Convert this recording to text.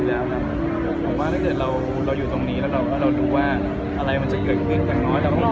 แฟนคลับก็รักจิได้เหมือนเดิมนะครับ